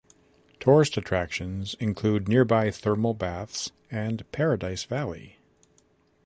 Tourist attractions include nearby thermal baths and Paradise Valley.